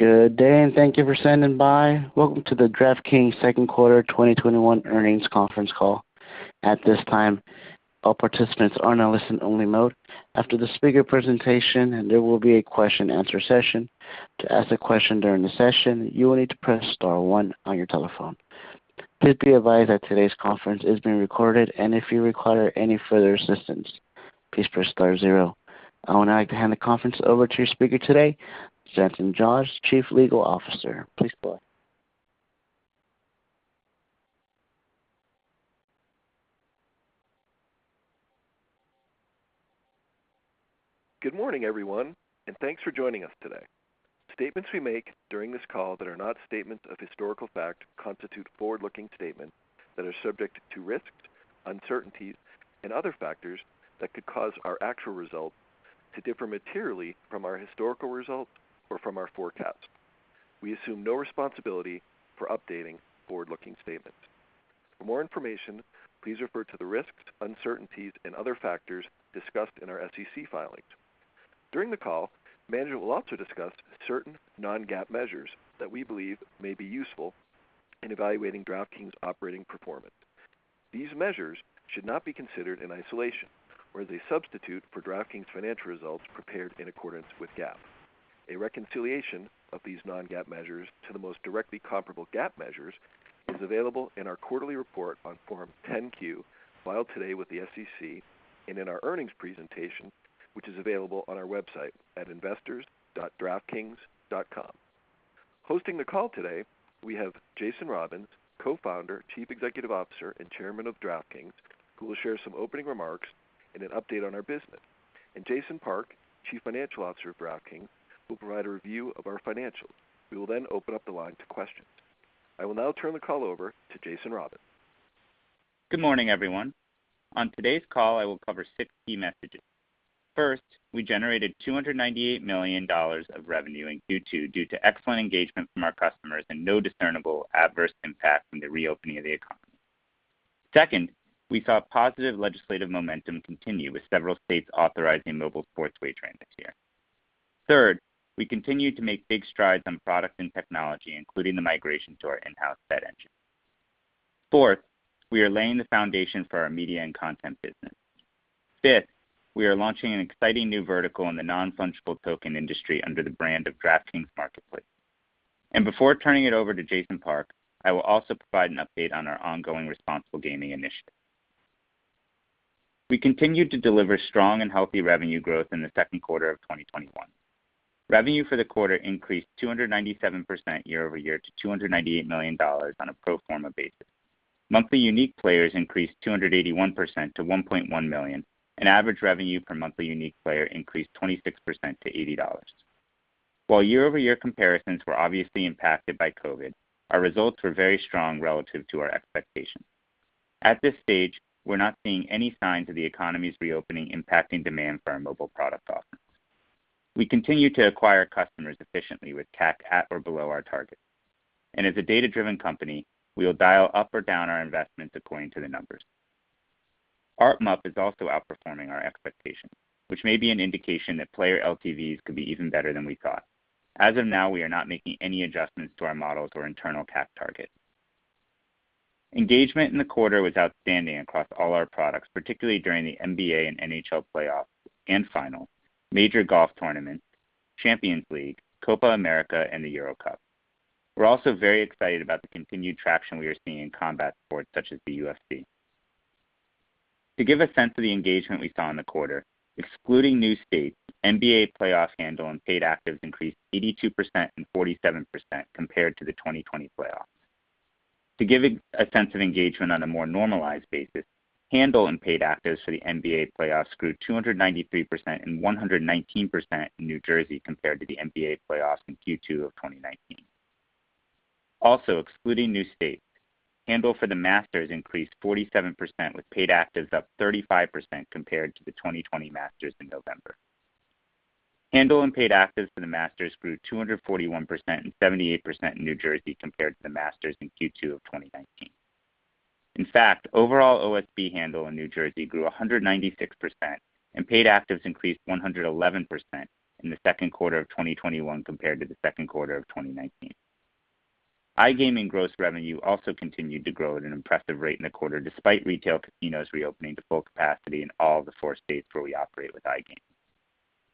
Welcome to the DraftKings second quarter 2021 earnings conference call. At this time, all partcipants are in listen-only mode. After the speaker presentation, there will be a question and answer session. To ask a question during the session, you will need to press star one on your telephone. Please be advised that todays conference is being recorded, and if you require any assistance, please press star zero. I would like to hand the conference over to your speaker today, Stanton Dodge, Chief Legal Officer. Please go on. Good morning, everyone, and thanks for joining us today. Statements we make during this call that are not statements of historical fact constitute forward-looking statements that are subject to risks, uncertainties, and other factors that could cause our actual results to differ materially from our historical results or from our forecasts. We assume no responsibility for updating forward-looking statements. For more information, please refer to the risks, uncertainties, and other factors discussed in our SEC filings. During the call, management will also discuss certain non-GAAP measures that we believe may be useful in evaluating DraftKings' operating performance. These measures should not be considered in isolation or as a substitute for DraftKings' financial results prepared in accordance with GAAP. A reconciliation of these non-GAAP measures to the most directly comparable GAAP measures is available in our quarterly report on Form 10-Q filed today with the SEC and in our earnings presentation, which is available on our website at investors.draftkings.com. Hosting the call today we have Jason Robins, Co-Founder, Chief Executive Officer, and Chairman of DraftKings, who will share some opening remarks and an update on our business, and Jason Park, Chief Financial Officer of DraftKings, who will provide a review of our financials. We will then open up the line to questions. I will now turn the call over to Jason Robins. Good morning, everyone. On today's call, I will cover six key messages. First, we generated $298 million of revenue in Q2 due to excellent engagement from our customers and no discernible adverse impact from the reopening of the economy. Second, we saw positive legislative momentum continue with several states authorizing mobile sports wagering this year. Third, we continued to make big strides on product and technology, including the migration to our in-house bet engine. Fourth, we are laying the foundation for our media and content business. Fifth, we are launching an exciting new vertical in the non-fungible token industry under the brand of DraftKings Marketplace. Before turning it over to Jason Park, I will also provide an update on our ongoing responsible gaming initiative. We continued to deliver strong and healthy revenue growth in the second quarter of 2021. Revenue for the quarter increased 297% year-over-year to $298 million on a pro forma basis. Monthly unique players increased 281% to 1.1 million, and average revenue per monthly unique player increased 26% to $80. While year-over-year comparisons were obviously impacted by COVID, our results were very strong relative to our expectations. At this stage, we're not seeing any signs of the economy's reopening impacting demand for our mobile product offerings. We continue to acquire customers efficiently with CAC at or below our targets. As a data-driven company, we will dial up or down our investments according to the numbers. ARPMUP is also outperforming our expectations, which may be an indication that player LTVs could be even better than we thought. As of now, we are not making any adjustments to our models or internal CAC targets. Engagement in the quarter was outstanding across all our products, particularly during the NBA and NHL playoffs and finals, major golf tournaments, Champions League, Copa América, and the Euro Cup. We're also very excited about the continued traction we are seeing in combat sports such as the UFC. To give a sense of the engagement we saw in the quarter, excluding new states, NBA playoffs handle and paid actives increased 82% and 47% compared to the 2020 playoffs. To give a sense of engagement on a more normalized basis, handle and paid actives for the NBA playoffs grew 293% and 119% in New Jersey compared to the NBA playoffs in Q2 of 2019. Also excluding new states, handle for the Masters increased 47%, with paid actives up 35% compared to the 2020 Masters in November. Handle and paid actives for the Masters grew 241% and 78% in New Jersey compared to the Masters in Q2 of 2019. Overall OSB handle in New Jersey grew 196%, and paid actives increased 111% in the second quarter of 2021 compared to the second quarter of 2019. iGaming gross revenue also continued to grow at an impressive rate in the quarter, despite retail casinos reopening to full capacity in all the four states where we operate with iGaming.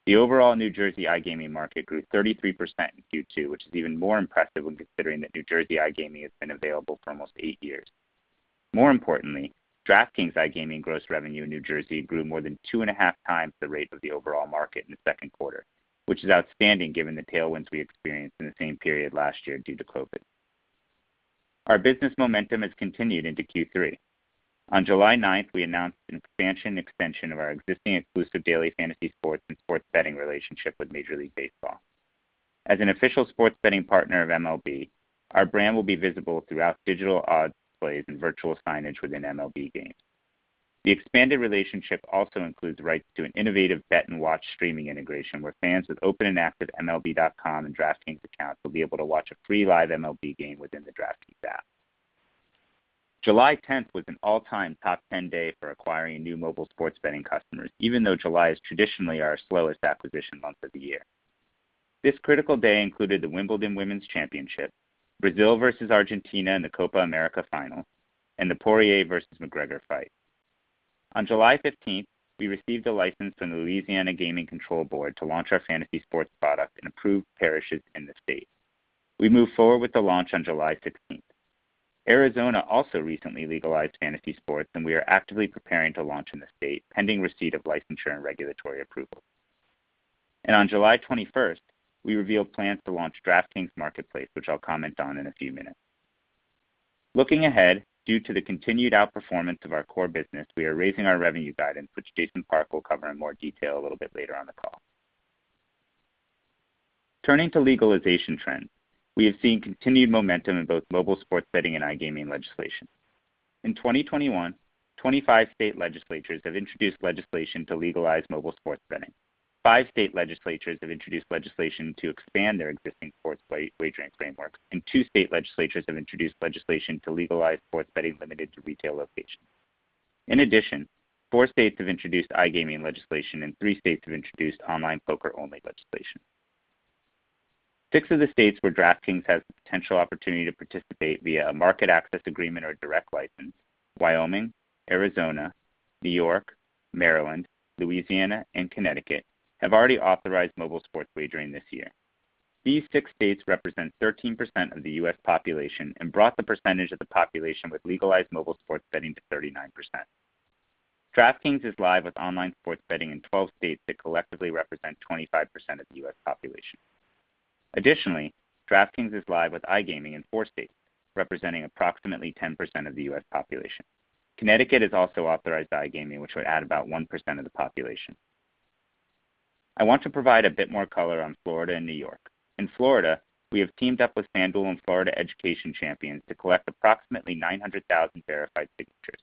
The overall New Jersey iGaming market grew 33% in Q2, which is even more impressive when considering that New Jersey iGaming has been available for almost eight years. More importantly, DraftKings iGaming gross revenue in New Jersey grew more than two and a half times the rate of the overall market in the second quarter, which is outstanding given the tailwinds we experienced in the same period last year due to COVID. Our business momentum has continued into Q3. On July 9th, we announced an expansion and extension of our existing exclusive daily fantasy sports and sports betting relationship with Major League Baseball. As an official sports betting partner of MLB, our brand will be visible throughout digital odds, plays, and virtual signage within MLB games. The expanded relationship also includes rights to an innovative bet and watch streaming integration, where fans with open and active MLB.com and DraftKings accounts will be able to watch a free live MLB game within the DraftKings app. July 10th was an all-time top 10 day for acquiring new mobile sports betting customers, even though July is traditionally our slowest acquisition month of the year. This critical day included the Wimbledon Women's Championship, Brazil versus Argentina in the Copa América final, and the Poirier versus McGregor fight. On July 15th, we received a license from the Louisiana Gaming Control Board to launch our fantasy sports product in approved parishes in the state. We moved forward with the launch on July 16th. Arizona also recently legalized fantasy sports, and we are actively preparing to launch in the state, pending receipt of licensure and regulatory approval. On July 21st, we revealed plans to launch DraftKings Marketplace, which I'll comment on in a few minutes. Looking ahead, due to the continued outperformance of our core business, we are raising our revenue guidance, which Jason Park will cover in more detail a little bit later on the call. Turning to legalization trends, we have seen continued momentum in both mobile sports betting and iGaming legislation. In 2021, 25 state legislatures have introduced legislation to legalize mobile sports betting. Five state legislatures have introduced legislation to expand their existing sports wagering frameworks, and two state legislatures have introduced legislation to legalize sports betting limited to retail locations. In addition, four states have introduced iGaming legislation, and three states have introduced online poker-only legislation. Six of the states where DraftKings has the potential opportunity to participate via a market access agreement or a direct license, Wyoming, Arizona, New York, Maryland, Louisiana, and Connecticut, have already authorized mobile sports wagering this year. These six states represent 13% of the U.S. population and brought the percentage of the population with legalized mobile sports betting to 39%. DraftKings is live with online sports betting in 12 states that collectively represent 25% of the U.S. population. Additionally, DraftKings is live with iGaming in four states, representing approximately 10% of the U.S. population. Connecticut has also authorized iGaming, which would add about 1% of the population. I want to provide a bit more color on Florida and New York. In Florida, we have teamed up with FanDuel and Florida Education Champions to collect approximately 900,000 verified signatures.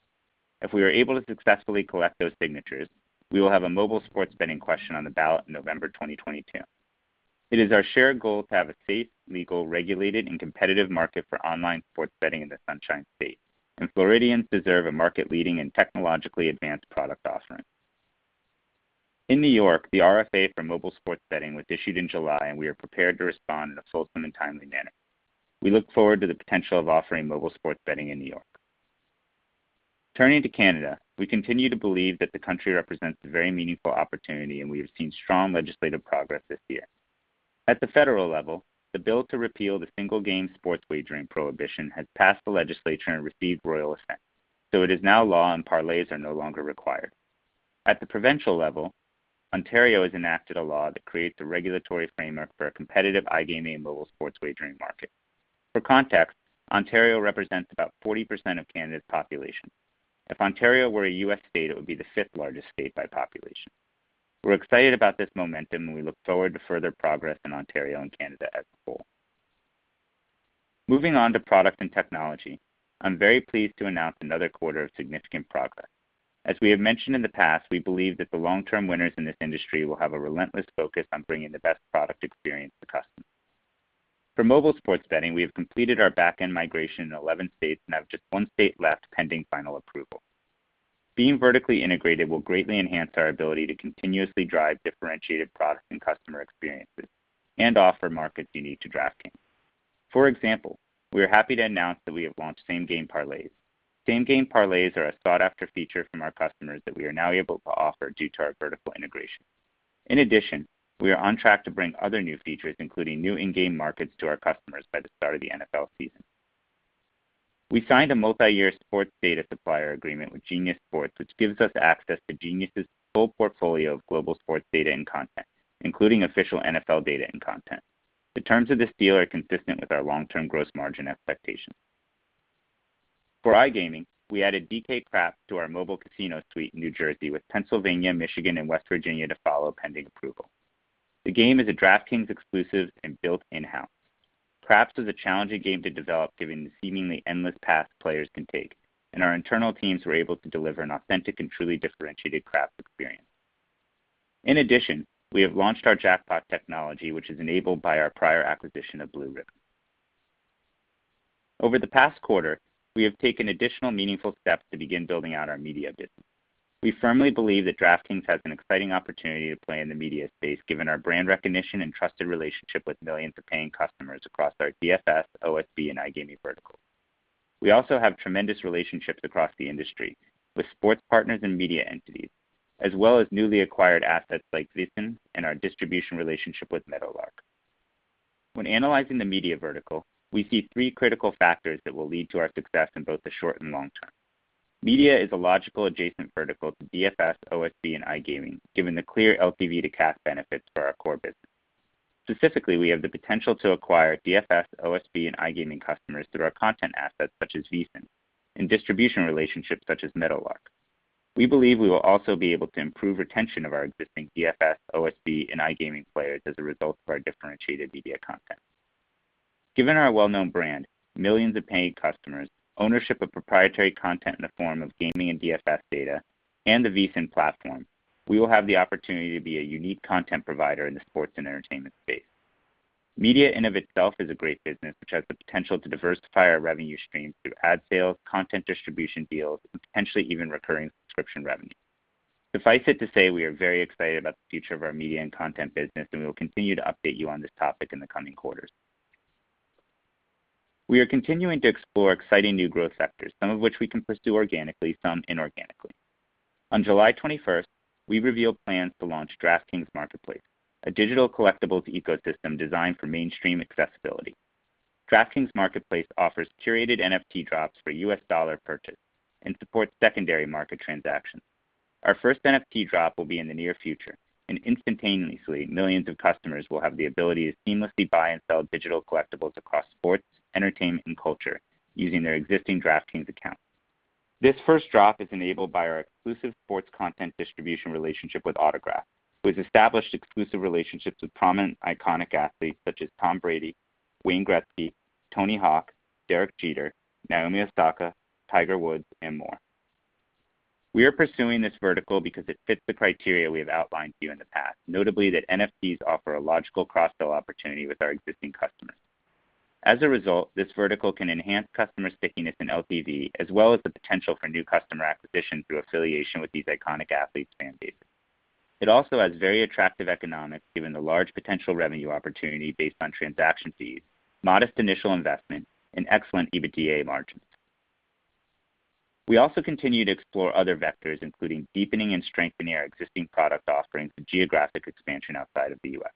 If we are able to successfully collect those signatures, we will have a mobile sports betting question on the ballot in November 2022. It is our shared goal to have a safe, legal, regulated, and competitive market for online sports betting in the Sunshine State, and Floridians deserve a market-leading and technologically advanced product offering. In New York, the RFA for mobile sports betting was issued in July, and we are prepared to respond in a fulsome and timely manner. We look forward to the potential of offering mobile sports betting in New York. Turning to Canada, we continue to believe that the country represents a very meaningful opportunity, and we have seen strong legislative progress this year. At the federal level, the bill to repeal the single-game sports wagering prohibition has passed the legislature and received Royal Assent, so it is now law and parlays are no longer required. At the provincial level, Ontario has enacted a law that creates a regulatory framework for a competitive iGaming mobile sports wagering market. For context, Ontario represents about 40% of Canada's population. If Ontario were a U.S. state, it would be the fifth-largest state by population. We're excited about this momentum, and we look forward to further progress in Ontario and Canada as a whole. Moving on to product and technology, I'm very pleased to announce another quarter of significant progress. As we have mentioned in the past, we believe that the long-term winners in this industry will have a relentless focus on bringing the best product experience to customers. For mobile sports betting, we have completed our back-end migration in 11 states and have just one state left, pending final approval. Being vertically integrated will greatly enhance our ability to continuously drive differentiated products and customer experiences and offer markets unique to DraftKings. For example, we are happy to announce that we have launched Same Game Parlays. Same Game Parlays are a sought-after feature from our customers that we are now able to offer due to our vertical integration. In addition, we are on track to bring other new features, including new in-game markets to our customers by the start of the NFL season. We signed a multiyear sports data supplier agreement with Genius Sports, which gives us access to Genius' full portfolio of global sports data and content, including official NFL data and content. The terms of this deal are consistent with our long-term gross margin expectations. For iGaming, we added DK Craps to our mobile casino suite in New Jersey, with Pennsylvania, Michigan, and West Virginia to follow, pending approval. The game is a DraftKings exclusive and built in-house. Craps was a challenging game to develop, given the seemingly endless paths players can take, and our internal teams were able to deliver an authentic and truly differentiated craps experience. In addition, we have launched our jackpot technology, which is enabled by our prior acquisition of BlueRibbon. Over the past quarter, we have taken additional meaningful steps to begin building out our media business. We firmly believe that DraftKings has an exciting opportunity to play in the media space, given our brand recognition and trusted relationship with millions of paying customers across our DFS, OSB, and iGaming verticals. We also have tremendous relationships across the industry with sports partners and media entities, as well as newly acquired assets like VSiN and our distribution relationship with Meadowlark. When analyzing the media vertical, we see three critical factors that will lead to our success in both the short and long term. Media is a logical adjacent vertical to DFS, OSB, and iGaming, given the clear LTV to CAC benefits for our core business. Specifically, we have the potential to acquire DFS, OSB, and iGaming customers through our content assets, such as VSiN, and distribution relationships, such as Meadowlark. We believe we will also be able to improve retention of our existing DFS, OSB, and iGaming players as a result of our differentiated media content. Given our well-known brand, millions of paying customers, ownership of proprietary content in the form of gaming and DFS data, and the VSiN platform, we will have the opportunity to be a unique content provider in the sports and entertainment space. Media in of itself is a great business which has the potential to diversify our revenue stream through ad sales, content distribution deals, and potentially even recurring subscription revenue. Suffice it to say, we are very excited about the future of our media and content business, and we will continue to update you on this topic in the coming quarters. We are continuing to explore exciting new growth sectors, some of which we can pursue organically, some inorganically. On July 21st, we revealed plans to launch DraftKings Marketplace, a digital collectibles ecosystem designed for mainstream accessibility. DraftKings Marketplace offers curated NFT drops for US dollar purchase and supports secondary market transactions. Our first NFT drop will be in the near future, instantaneously, millions of customers will have the ability to seamlessly buy and sell digital collectibles across sports, entertainment, and culture using their existing DraftKings account. This first drop is enabled by our exclusive sports content distribution relationship with Autograph, who has established exclusive relationships with prominent iconic athletes such as Tom Brady, Wayne Gretzky, Tony Hawk, Derek Jeter, Naomi Osaka, Tiger Woods, and more. We are pursuing this vertical because it fits the criteria we have outlined to you in the past, notably that NFTs offer a logical cross-sell opportunity with our existing customers. As a result, this vertical can enhance customer stickiness and LTV, as well as the potential for new customer acquisition through affiliation with these iconic athletes' fan bases. It also has very attractive economics given the large potential revenue opportunity based on transaction fees, modest initial investment, and excellent EBITDA margins. We also continue to explore other vectors, including deepening and strengthening our existing product offerings and geographic expansion outside of the U.S.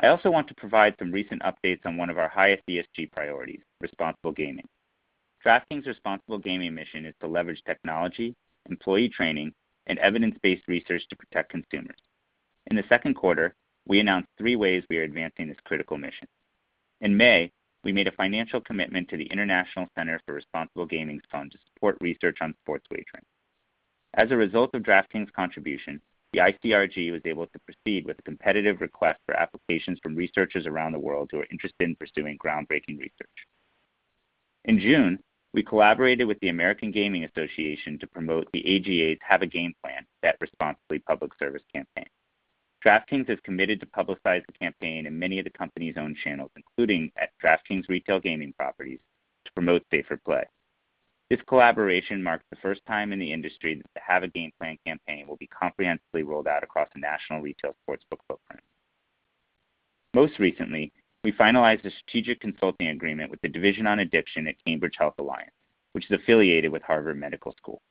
I also want to provide some recent updates on one of our highest ESG priorities, Responsible Gaming. DraftKings' Responsible Gaming mission is to leverage technology, employee training, and evidence-based research to protect consumers. In the second quarter, we announced three ways we are advancing this critical mission. In May, we made a financial commitment to the International Center for Responsible Gaming fund to support research on sports wagering. As a result of DraftKings' contribution, the ICRG was able to proceed with a competitive request for applications from researchers around the world who are interested in pursuing groundbreaking research. In June, we collaborated with the American Gaming Association to promote the AGA's Have A Game Plan. Bet Responsibly public service campaign. DraftKings has committed to publicize the campaign in many of the company's own channels, including at DraftKings retail gaming properties, to promote safer play. This collaboration marked the first time in the industry that the Have A Game Plan campaign will be comprehensively rolled out across a national retail sportsbook footprint. Most recently, we finalized a strategic consulting agreement with the Division on Addiction at Cambridge Health Alliance, which is affiliated with Harvard Medical School.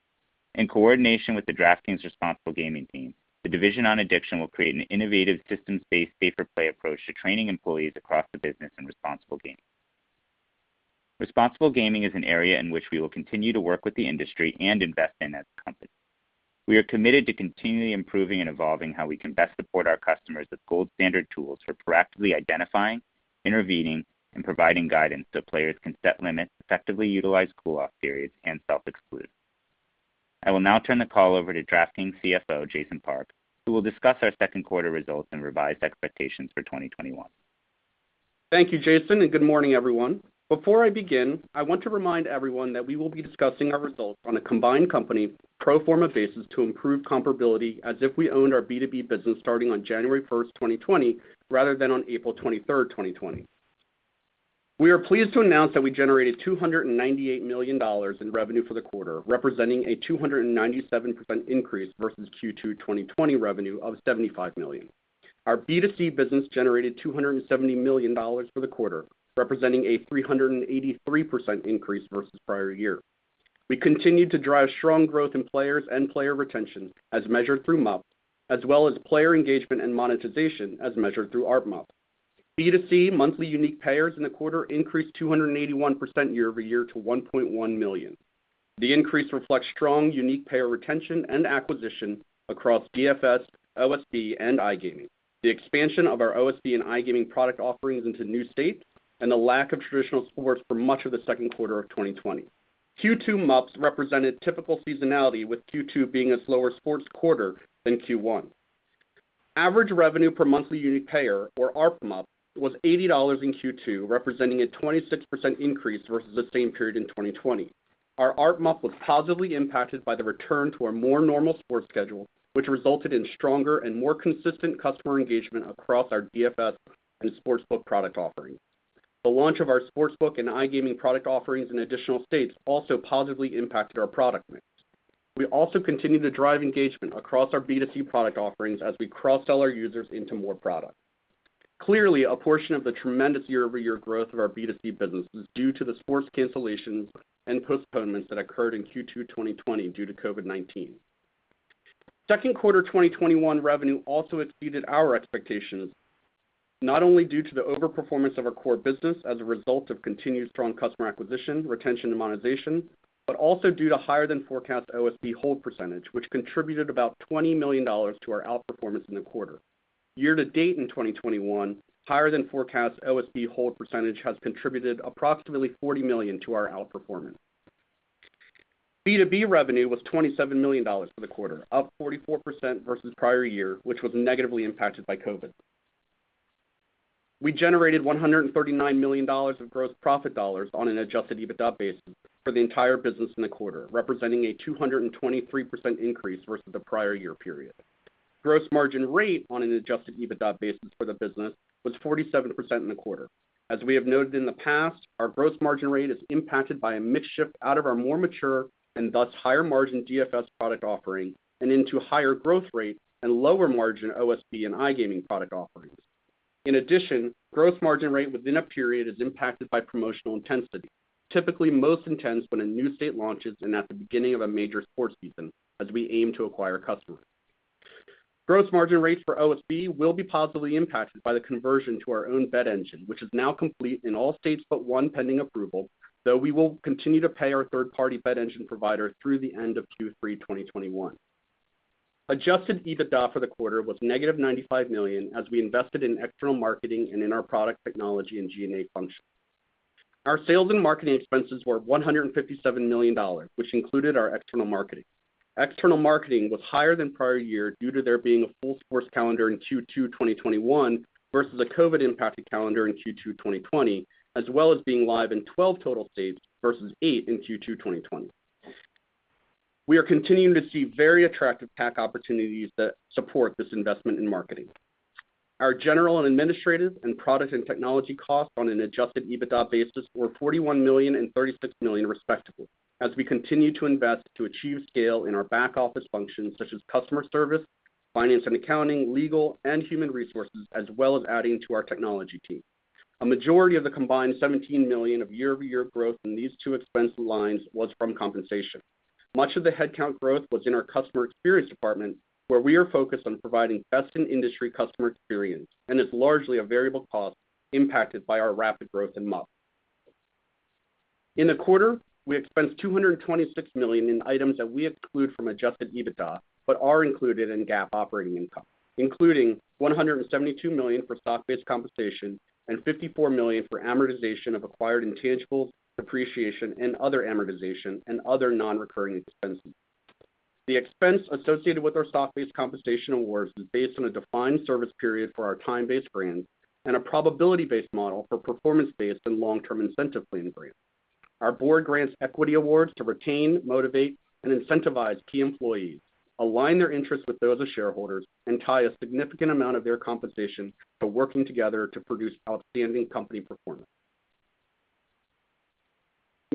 In coordination with the DraftKings responsible gaming team, the Division on Addiction will create an innovative systems-based, safer play approach to training employees across the business in responsible gaming. Responsible gaming is an area in which we will continue to work with the industry and invest in as a company. We are committed to continually improving and evolving how we can best support our customers with gold-standard tools for proactively identifying, intervening, and providing guidance so players can set limits, effectively utilize cool-off periods, and self-exclude. I will now turn the call over to DraftKings CFO Jason Park, who will discuss our second quarter results and revised expectations for 2021. Thank you, Jason, and good morning, everyone. Before I begin, I want to remind everyone that we will be discussing our results on a combined company pro forma basis to improve comparability as if we owned our B2B business starting on January 1st, 2020, rather than on April 23rd, 2020. We are pleased to announce that we generated $298 million in revenue for the quarter, representing a 297% increase versus Q2 2020 revenue of $75 million. Our B2C business generated $270 million for the quarter, representing a 383% increase versus prior year. We continued to drive strong growth in players and player retention as measured through MUP, as well as player engagement and monetization as measured through ARPMUP. B2C monthly unique payers in the quarter increased 281% year-over-year to 1.1 million. The increase reflects strong unique payer retention and acquisition across DFS, OSB, and iGaming, the expansion of our OSB and iGaming product offerings into new states, the lack of traditional sports for much of the second quarter of 2020. Q2 MUPs represented typical seasonality, with Q2 being a slower sports quarter than Q1. Average revenue per monthly unique payer, or ARPMUP, was $80 in Q2, representing a 26% increase versus the same period in 2020. Our ARPMUP was positively impacted by the return to a more normal sports schedule, which resulted in stronger and more consistent customer engagement across our DFS and sportsbook product offerings. The launch of our sportsbook and iGaming product offerings in additional states also positively impacted our product mix. We also continue to drive engagement across our B2C product offerings as we cross-sell our users into more products. Clearly, a portion of the tremendous year-over-year growth of our B2C business is due to the sports cancellations and postponements that occurred in Q2 2020 due to COVID-19. Second quarter 2021 revenue also exceeded our expectations, not only due to the overperformance of our core business as a result of continued strong customer acquisition, retention, and monetization, but also due to higher than forecast OSB hold percentage, which contributed about $20 million to our outperformance in the quarter. Year to date in 2021, higher than forecast OSB hold percentage has contributed approximately $40 million to our outperformance. B2B revenue was $27 million for the quarter, up 44% versus prior year, which was negatively impacted by COVID. We generated $139 million of gross profit dollars on an adjusted EBITDA basis for the entire business in the quarter, representing a 223% increase versus the prior year period. Gross margin rate on an adjusted EBITDA basis for the business was 47% in the quarter. As we have noted in the past, our gross margin rate is impacted by a mix shift out of our more mature and thus higher margin DFS product offering and into higher growth rate and lower margin OSB and iGaming product offerings. In addition, gross margin rate within a period is impacted by promotional intensity, typically most intense when a new state launches and at the beginning of a major sports season, as we aim to acquire customers. Gross margin rates for OSB will be positively impacted by the conversion to our own bet engine, which is now complete in all states but one pending approval, though we will continue to pay our third-party bet engine provider through the end of Q3 2021. Adjusted EBITDA for the quarter was negative $95 million as we invested in external marketing and in our product technology and G&A function. Our sales and marketing expenses were $157 million, which included our external marketing. External marketing was higher than prior year due to there being a full sports calendar in Q2 2021 versus a COVID-impacted calendar in Q2 2020, as well as being live in 12 total states versus eight in Q2 2020. We are continuing to see very attractive CAC opportunities that support this investment in marketing. Our general and administrative and product and technology costs on an adjusted EBITDA basis were $41 million and $36 million respectively as we continue to invest to achieve scale in our back office functions such as customer service, finance and accounting, legal, and human resources, as well as adding to our technology team. A majority of the combined $17 million of year-over-year growth in these two expense lines was from compensation. Much of the headcount growth was in our customer experience department, where we are focused on providing best-in-industry customer experience and is largely a variable cost impacted by our rapid growth in MUP. In the quarter, we expensed $226 million in items that we exclude from adjusted EBITDA but are included in GAAP operating income, including $172 million for stock-based compensation and $54 million for amortization of acquired intangibles, depreciation, and other amortization and other non-recurring expenses. The expense associated with our stock-based compensation awards is based on a defined service period for our time-based grants and a probability-based model for performance-based and long-term incentive plan grants. Our board grants equity awards to retain, motivate, and incentivize key employees, align their interests with those of shareholders, and tie a significant amount of their compensation to working together to produce outstanding company performance.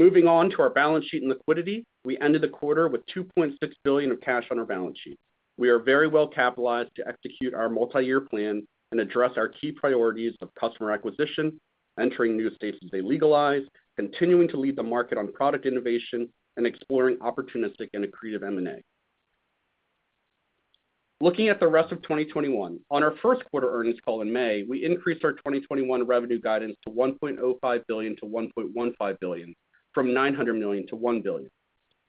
Moving on to our balance sheet and liquidity, we ended the quarter with $2.6 billion of cash on our balance sheet. We are very well capitalized to execute our multi-year plan and address our key priorities of customer acquisition, entering new states as they legalize, continuing to lead the market on product innovation, and exploring opportunistic and accretive M&A. Looking at the rest of 2021, on our first quarter earnings call in May, we increased our 2021 revenue guidance to $1.05 billion-$1.15 billion from $900 million-$1 billion.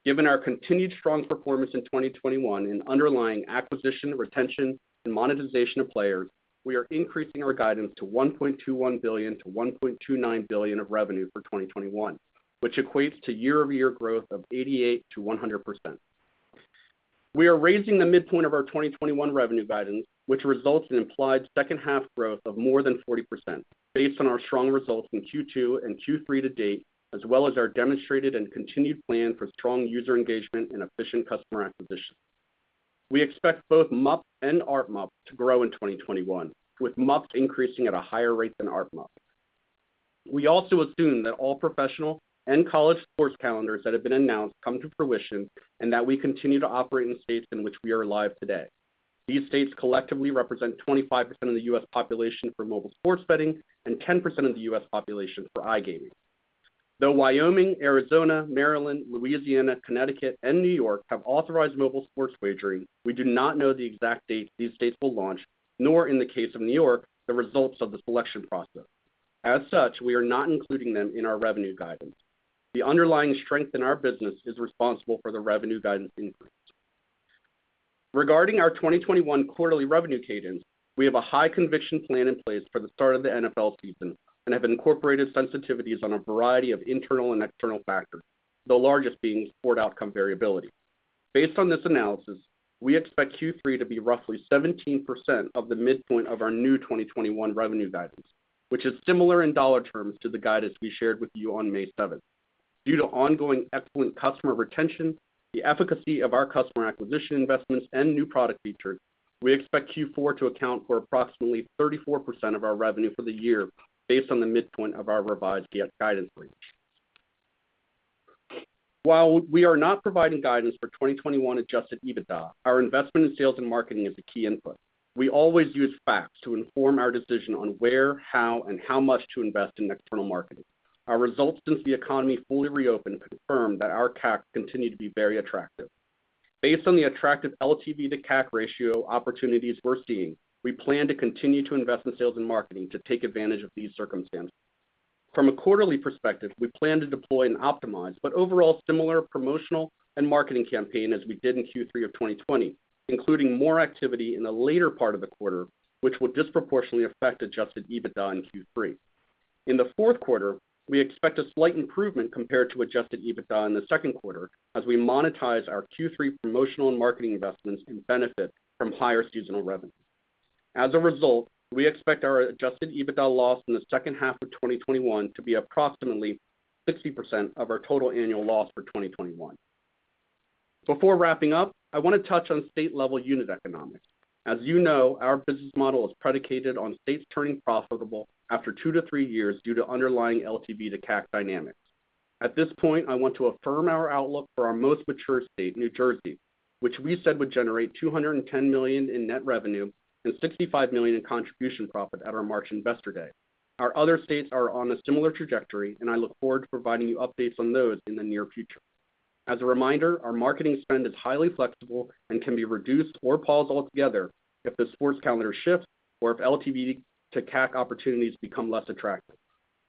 Given our continued strong performance in 2021 and underlying acquisition, retention, and monetization of players, we are increasing our guidance to $1.21 billion-$1.29 billion of revenue for 2021, which equates to year-over-year growth of 88%-100%. We are raising the midpoint of our 2021 revenue guidance, which results in implied second half growth of more than 40%, based on our strong results in Q2 and Q3 to date, as well as our demonstrated and continued plan for strong user engagement and efficient customer acquisition. We expect both MUP and RMP to grow in 2021, with MUP increasing at a higher rate than RMP. We also assume that all professional and college sports calendars that have been announced come to fruition and that we continue to operate in states in which we are live today. These states collectively represent 25% of the U.S. population for mobile sports betting and 10% of the U.S. population for iGaming. Though Wyoming, Arizona, Maryland, Louisiana, Connecticut, and New York have authorized mobile sports wagering, we do not know the exact date these states will launch, nor, in the case of New York, the results of the selection process. As such, we are not including them in our revenue guidance. The underlying strength in our business is responsible for the revenue guidance increase. Regarding our 2021 quarterly revenue cadence, we have a high conviction plan in place for the start of the NFL season and have incorporated sensitivities on a variety of internal and external factors, the largest being sport outcome variability. Based on this analysis, we expect Q3 to be roughly 17% of the midpoint of our new 2021 revenue guidance, which is similar in dollar terms to the guidance we shared with you on May 7th. Due to ongoing excellent customer retention, the efficacy of our customer acquisition investments, and new product features, we expect Q4 to account for approximately 34% of our revenue for the year, based on the midpoint of our revised guidance range. While we are not providing guidance for 2021 adjusted EBITDA, our investment in sales and marketing is a key input. We always use facts to inform our decision on where, how, and how much to invest in external marketing. Our results since the economy fully reopened confirm that our CAC continue to be very attractive. Based on the attractive LTV to CAC ratio opportunities we're seeing, we plan to continue to invest in sales and marketing to take advantage of these circumstances. From a quarterly perspective, we plan to deploy and optimize, but overall similar promotional and marketing campaign as we did in Q3 of 2020, including more activity in the later part of the quarter, which will disproportionately affect adjusted EBITDA in Q3. In the fourth quarter, we expect a slight improvement compared to adjusted EBITDA in the second quarter as we monetize our Q3 promotional and marketing investments and benefit from higher seasonal revenue. As a result, we expect our adjusted EBITDA loss in the second half of 2021 to be approximately 60% of our total annual loss for 2021. Before wrapping up, I want to touch on state-level unit economics. As you know, our business model is predicated on states turning profitable after two-three years due to underlying LTV to CAC dynamics. At this point, I want to affirm our outlook for our most mature state, New Jersey, which we said would generate $210 million in net revenue and $65 million in contribution profit at our March Investor Day. Our other states are on a similar trajectory, and I look forward to providing you updates on those in the near future. As a reminder, our marketing spend is highly flexible and can be reduced or paused altogether if the sports calendar shifts or if LTV to CAC opportunities become less attractive.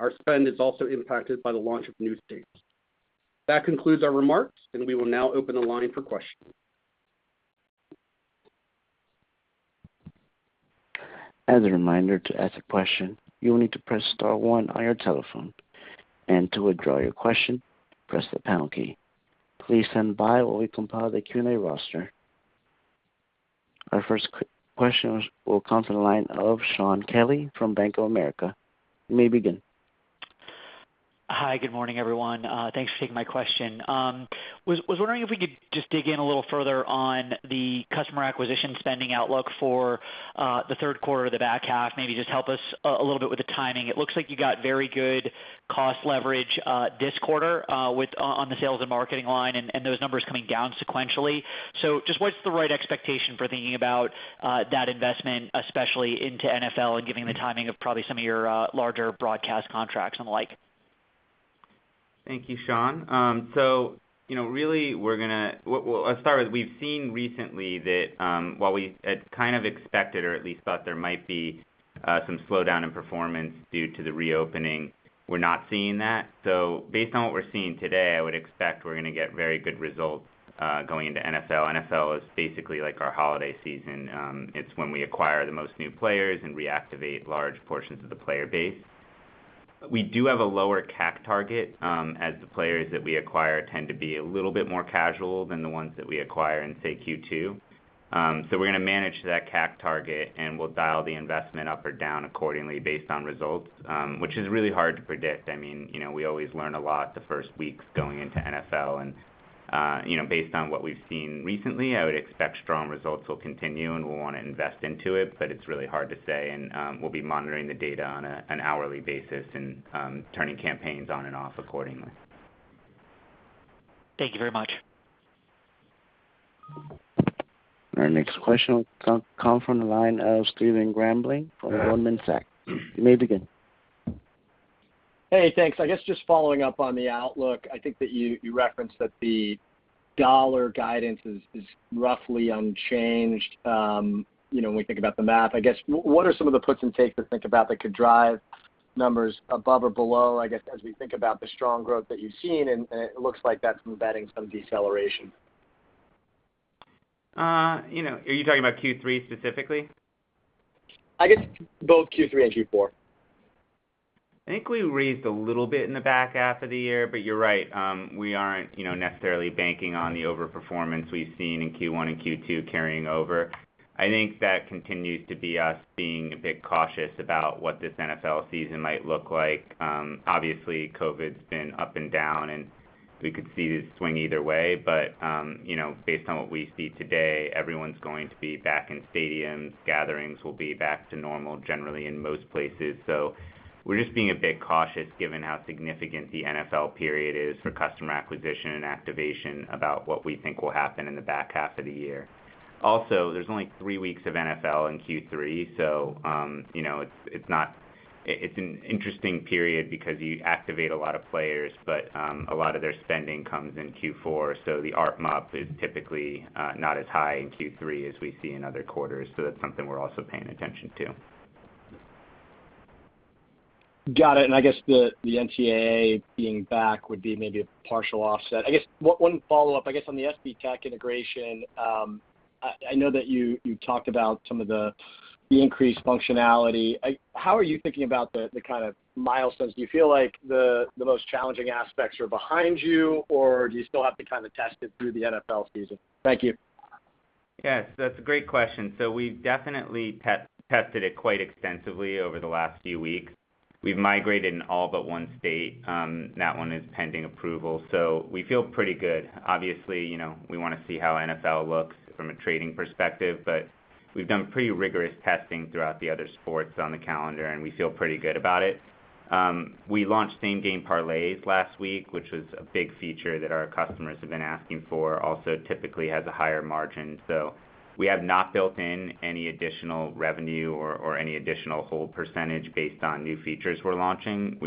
Our spend is also impacted by the launch of new states. That concludes our remarks, and we will now open the line for questions. As a reminder, to ask a question, you will need to press star one on your telephone, and to withdraw your question, press the pound key. Please stand by while we compile the Q&A roster. Our first question will come from the line of Shaun Kelley from Bank of America. You may begin. Hi. Good morning, everyone. Thanks for taking my question. Was wondering if we could just dig in a little further on the customer acquisition spending outlook for the third quarter of the back half. Maybe just help us a little bit with the timing. It looks like you got very good cost leverage this quarter on the sales and marketing line and those numbers coming down sequentially. Just what's the right expectation for thinking about that investment, especially into NFL and given the timing of probably some of your larger broadcast contracts and the like? Thank you, Shaun. Really, I'll start with, we've seen recently that while we had kind of expected or at least thought there might be some slowdown in performance due to the reopening, we're not seeing that. Based on what we're seeing today, I would expect we're going to get very good results going into NFL. NFL is basically like our holiday season. It's when we acquire the most new players and reactivate large portions of the player base. We do have a lower CAC target, as the players that we acquire tend to be a little bit more casual than the ones that we acquire in, say, Q2. We're going to manage to that CAC target, and we'll dial the investment up or down accordingly based on results, which is really hard to predict. We always learn a lot the first weeks going into NFL. Based on what we've seen recently, I would expect strong results will continue, and we'll want to invest into it. It's really hard to say, and we'll be monitoring the data on an hourly basis and turning campaigns on and off accordingly. Thank you very much. Our next question will come from the line of Stephen Grambling from Goldman Sachs. You may begin. Hey, thanks. I guess just following up on the outlook, I think that you referenced that the dollar guidance is roughly unchanged when we think about the math. I guess, what are some of the puts and takes to think about that could drive numbers above or below, I guess, as we think about the strong growth that you've seen? It looks like that's embedding some deceleration. Are you talking about Q3 specifically? I guess both Q3 and Q4. I think we raised a little bit in the back half of the year, but you're right. We aren't necessarily banking on the over-performance we've seen in Q1 and Q2 carrying over. I think that continues to be us being a bit cautious about what this NFL season might look like. Obviously, COVID's been up and down, and we could see this swing either way. Based on what we see today, everyone's going to be back in stadiums. Gatherings will be back to normal generally in most places. We're just being a bit cautious given how significant the NFL period is for customer acquisition and activation about what we think will happen in the back half of the year. There's only three weeks of NFL in Q3, it's an interesting period because you activate a lot of players, but a lot of their spending comes in Q4. The ARPMUP is typically not as high in Q3 as we see in other quarters. That's something we're also paying attention to. Got it. I guess the NCAA being back would be maybe a partial offset. I guess one follow-up, I guess, on the SBTech integration. I know that you talked about some of the increased functionality. How are you thinking about the kind of milestones? Do you feel like the most challenging aspects are behind you, or do you still have to kind of test it through the NFL season? Thank you. Yes, that's a great question. We've definitely tested it quite extensively over the last few weeks. We've migrated in all but one state. That one is pending approval. We feel pretty good. Obviously, we want to see how NFL looks from a trading perspective, but we've done pretty rigorous testing throughout the other sports on the calendar, and we feel pretty good about it. We launched Same Game Parlays last week, which was a big feature that our customers have been asking for. Also, typically has a higher margin. We have not built in any additional revenue or any additional hold percentage based on new features we're launching.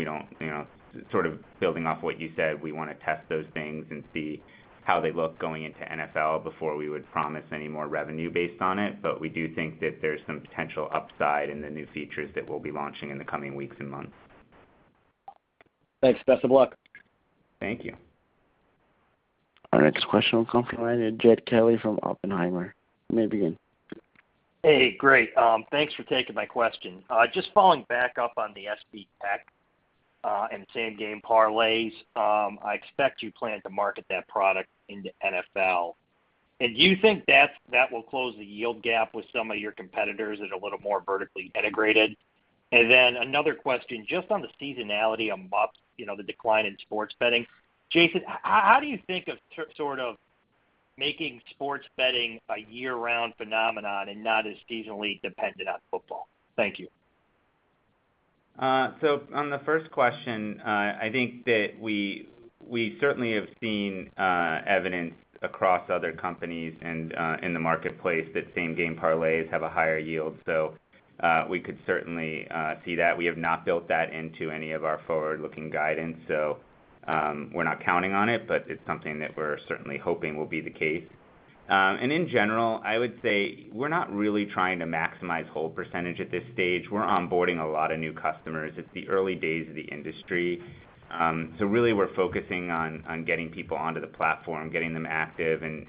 Sort of building off what you said, we want to test those things and see how they look going into NFL before we would promise any more revenue based on it. We do think that there's some potential upside in the new features that we'll be launching in the coming weeks and months. Thanks. Best of luck. Thank you. Our next question will come from the line of Jed Kelly from Oppenheimer. You may begin. Hey, great. Thanks for taking my question. Just following back up on the SBTech and Same Game Parlays, I expect you plan to market that product into NFL. Do you think that will close the yield gap with some of your competitors that are a little more vertically integrated? Another question, just on the seasonality on MUP, the decline in sports betting. Jason, how do you think of making sports betting a year-round phenomenon and not as seasonally dependent on football? Thank you. On the first question, I think that we certainly have seen evidence across other companies and in the marketplace that same-game parlays have a higher yield. We could certainly see that. We have not built that into any of our forward-looking guidance. We're not counting on it, but it's something that we're certainly hoping will be the case. In general, I would say we're not really trying to maximize hold percentage at this stage. We're onboarding a lot of new customers. It's the early days of the industry. Really, we're focusing on getting people onto the platform, getting them active, and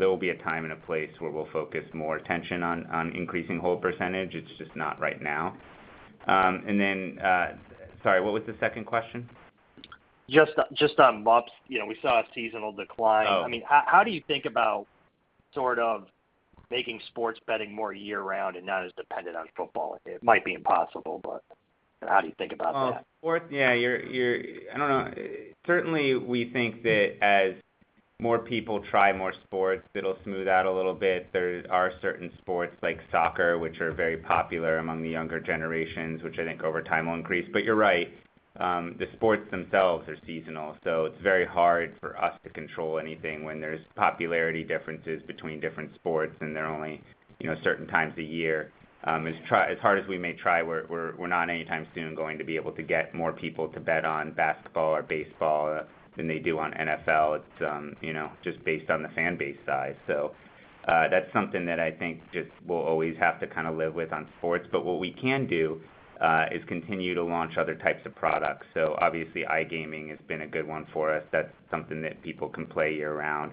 there will be a time and a place where we'll focus more attention on increasing hold percentage. It's just not right now. Sorry, what was the second question? Just on MUPs. We saw a seasonal decline. Oh. How do you think about making sports betting more year-round and not as dependent on football? It might be impossible, but how do you think about that? Well, sports, yeah. I don't know. Certainly, we think that as more people try more sports, it'll smooth out a little bit. There are certain sports like soccer, which are very popular among the younger generations, which I think over time will increase. You're right. The sports themselves are seasonal, it's very hard for us to control anything when there's popularity differences between different sports, and they're only certain times a year. As hard as we may try, we're not anytime soon going to be able to get more people to bet on basketball or baseball than they do on NFL. It's just based on the fan base size. That's something that I think just we'll always have to kind of live with on sports. What we can do, is continue to launch other types of products. Obviously, iGaming has been a good one for us. That's something that people can play year-round.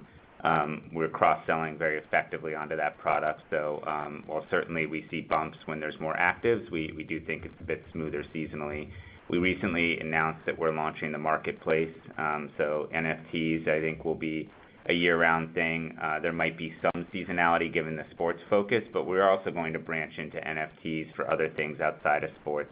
We're cross-selling very effectively onto that product. While certainly we see bumps when there's more actives, we do think it's a bit smoother seasonally. We recently announced that we're launching the marketplace. NFTs, I think, will be a year-round thing. There might be some seasonality given the sports focus, but we're also going to branch into NFTs for other things outside of sports.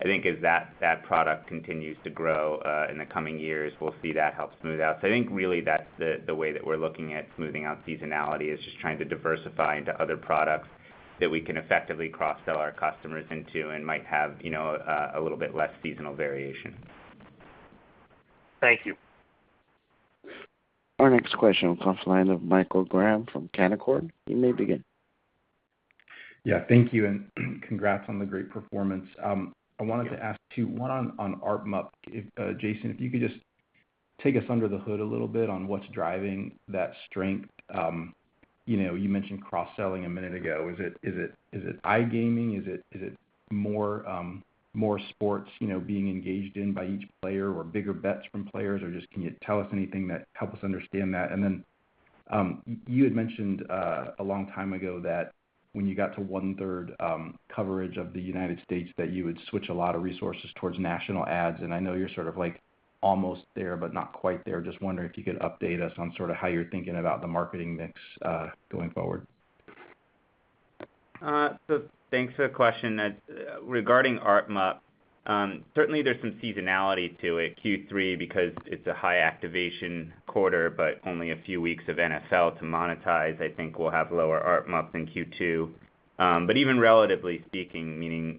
I think as that product continues to grow, in the coming years, we'll see that help smooth out. I think really that's the way that we're looking at smoothing out seasonality, is just trying to diversify into other products that we can effectively cross-sell our customers into and might have a little bit less seasonal variation. Thank you. Our next question comes from the line of Michael Graham from Canaccord. You may begin. Thank you, and congrats on the great performance. I wanted to ask two. One on ARPMUP. Jason, if you could just take us under the hood a little bit on what's driving that strength. You mentioned cross-selling a minute ago. Is it iGaming? Is it more sports being engaged in by each player or bigger bets from players? Just, can you tell us anything that helps us understand that? Then you had mentioned a long time ago that when you got to 1/3 coverage of the U.S., that you would switch a lot of resources towards national ads. I know you're sort of almost there, but not quite there. Just wondering if you could update us on how you're thinking about the marketing mix, going forward. Thanks for the question. Regarding ARPMUP, certainly there's some seasonality to it. Q3, because it's a high activation quarter, only a few weeks of NFL to monetize, I think we'll have lower ARPMUP than Q2. Even relatively speaking, meaning,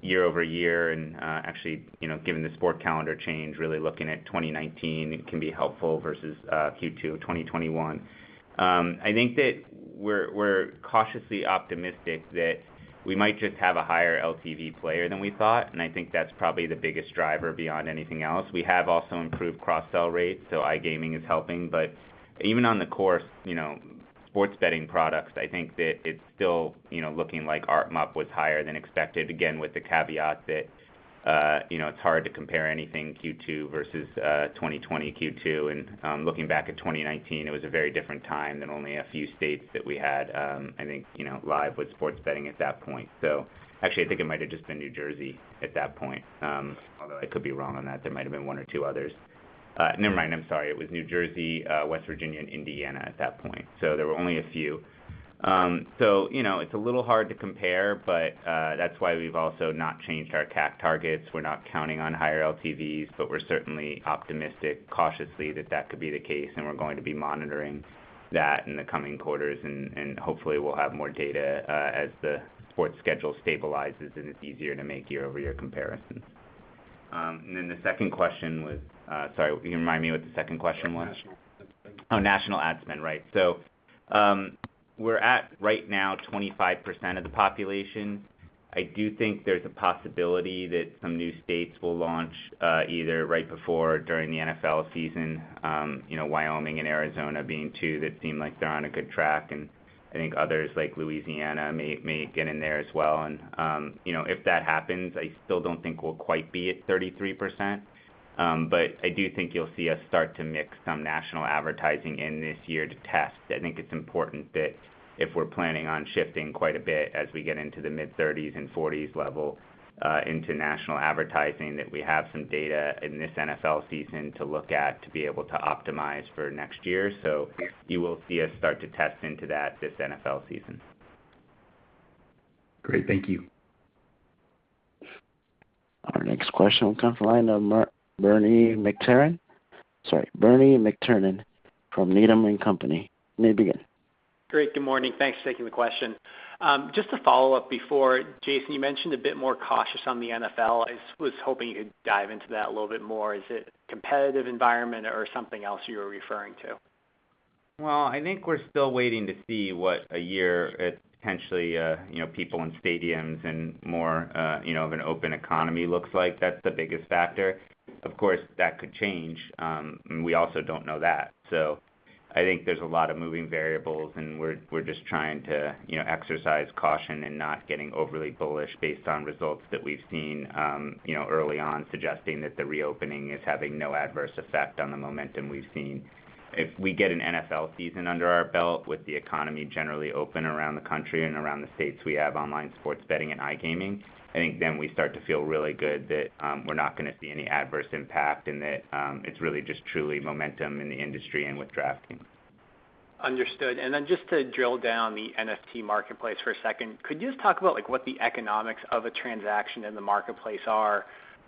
year-over-year and actually, given the sport calendar change, really looking at 2019 can be helpful versus Q2 of 2021. I think that we're cautiously optimistic that we might just have a higher LTV player than we thought, and I think that's probably the biggest driver beyond anything else. We have also improved cross-sell rates. iGaming is helping. Even on the core sports betting products, I think that it's still looking like ARPMUP was higher than expected, again, with the caveat that it's hard to compare anything Q2 versus 2020 Q2. Looking back at 2019, it was a very different time than only a few states that we had, I think, live with sports betting at that point. Actually, I think it might have just been New Jersey at that point. Although I could be wrong on that. There might have been one or two others. Never mind. I'm sorry. It was New Jersey, West Virginia, and Indiana at that point. There were only a few. It's a little hard to compare, but that's why we've also not changed our CAC targets. We're not counting on higher LTVs, but we're certainly optimistic cautiously that that could be the case, and we're going to be monitoring that in the coming quarters. Hopefully, we'll have more data, as the sports schedule stabilizes, and it's easier to make year-over-year comparisons. The second question was, sorry, can you remind me what the second question was? National ad spend. National ad spend. Right. We're at, right now, 25% of the population. I do think there's a possibility that some new states will launch, either right before or during the NFL season, Wyoming and Arizona being two that seem like they're on a good track. I think others like Louisiana may get in there as well. If that happens, I still don't think we'll quite be at 33%. I do think you'll see us start to mix some national advertising in this year to test. I think it's important that if we're planning on shifting quite a bit as we get into the mid-30s and 40s level, into national advertising, that we have some data in this NFL season to look at to be able to optimize for next year. You will see us start to test into that this NFL season. Great. Thank you. Our next question will come from the line of Bernie McTernan. Sorry, Bernie McTernan from Needham & Company. You may begin. Great. Good morning. Thanks for taking the question. Just to follow up before, Jason, you mentioned a bit more cautious on the NFL. I was hoping you could dive into that a little bit more. Is it a competitive environment or something else you were referring to? Well, I think we're still waiting to see what a year at, potentially, people in stadiums and more of an open economy looks like. That's the biggest factor. Of course, that could change, and we also don't know that. I think there's a lot of moving variables, and we're just trying to exercise caution and not getting overly bullish based on results that we've seen early on suggesting that the reopening is having no adverse effect on the momentum we've seen. If we get an NFL season under our belt with the economy generally open around the country and around the states we have online sports betting and iGaming, I think then we start to feel really good that we're not going to see any adverse impact and that it's really just truly momentum in the industry and with DraftKings. Understood. Just to drill down the NFT marketplace for a second, could you just talk about what the economics of a transaction in the marketplace are,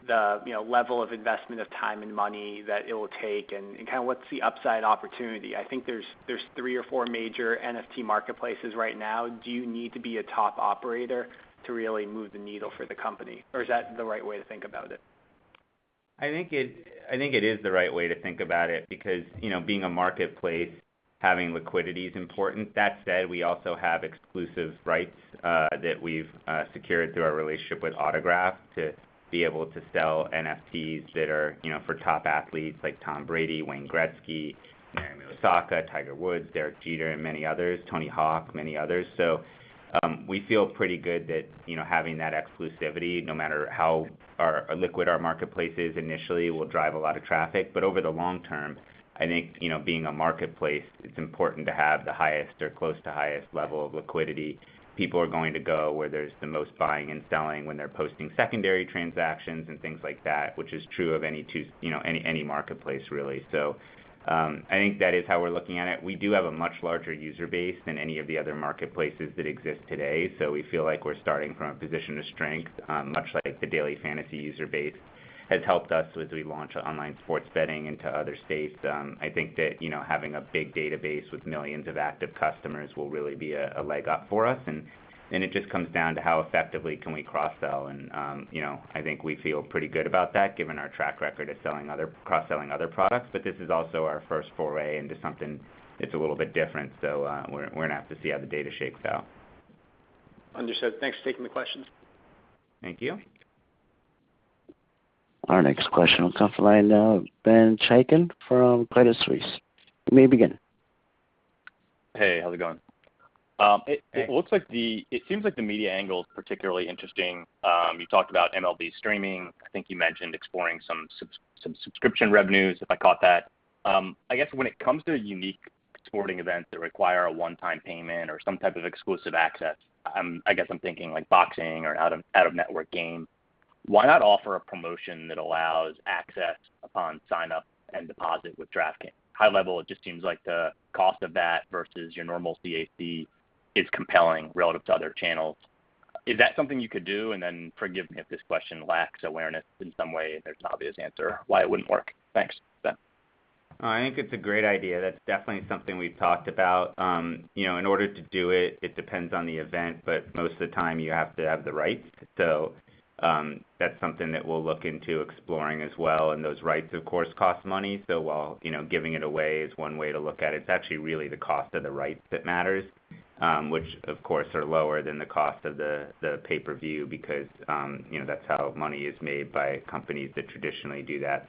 the level of investment of time and money that it will take, and what's the upside opportunity? I think there's three or four major NFT marketplaces right now. Do you need to be a top operator to really move the needle for the company? Is that the right way to think about it? I think it is the right way to think about it because being a marketplace, having liquidity is important. That said, we also have exclusive rights that we've secured through our relationship with Autograph to be able to sell NFTs that are for top athletes like Tom Brady, Wayne Gretzky, Naomi Osaka, Tiger Woods, Derek Jeter, and many others, Tony Hawk, many others. We feel pretty good that having that exclusivity, no matter how illiquid our marketplace is initially, will drive a lot of traffic. Over the long term, I think, being a marketplace, it's important to have the highest or close to highest level of liquidity. People are going to go where there's the most buying and selling when they're posting secondary transactions and things like that, which is true of any marketplace, really. I think that is how we're looking at it. We do have a much larger user base than any of the other marketplaces that exist today. We feel like we're starting from a position of strength, much like the daily fantasy user base has helped us as we launch online sports betting into other states. I think that having a big database with millions of active customers will really be a leg up for us. It just comes down to how effectively can we cross-sell. I think we feel pretty good about that given our track record of cross-selling other products. This is also our first foray into something that's a little bit different. We're going to have to see how the data shakes out. Understood. Thanks for taking the question. Thank you. Our next question will come from the line of Ben Chaiken from Credit Suisse. You may begin. Hey, how's it going? Hey. It seems like the media angle is particularly interesting. You talked about MLB streaming. I think you mentioned exploring some subscription revenues, if I caught that. I guess when it comes to unique sporting events that require a one-time payment or some type of exclusive access, I guess I'm thinking like boxing or out-of-network game, why not offer a promotion that allows access upon sign-up and deposit with DraftKings? High level, it just seems like the cost of that versus your normal CAC is compelling relative to other channels. Is that something you could do? Forgive me if this question lacks awareness in some way and there's an obvious answer why it wouldn't work. Thanks. Ben. I think it's a great idea. That's definitely something we've talked about. In order to do it depends on the event. Most of the time, you have to have the rights. That's something that we'll look into exploring as well, and those rights, of course, cost money. While giving it away is one way to look at it's actually really the cost of the rights that matters. Which, of course, are lower than the cost of the pay-per-view because that's how money is made by companies that traditionally do that.